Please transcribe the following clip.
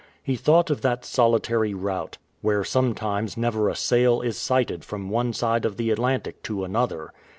He thought of that solitary route, where sometimes never a sail is sighted from one side of the Atlantic to another.